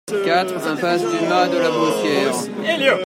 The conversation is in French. quatre impasse du Mas de la Beaussière